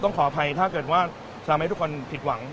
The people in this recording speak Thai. ต้องขออภัยถ้าเกิดว่าสามารถให้ทุกคนผิดหวัง